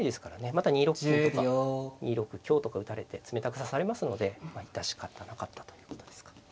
また２六金とか２六香とか打たれて冷たく指されますのでまあ致し方なかったということですか。